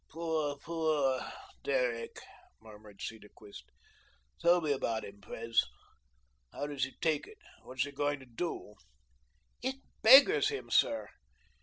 "Poor, poor Derrick," murmured Cedarquist. "Tell me about him, Pres. How does he take it? What is he going to do?" "It beggars him, sir.